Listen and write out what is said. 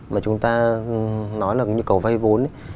mà chúng ta nói là cái nhu cầu vai vốn